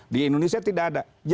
di indonesia tidak ada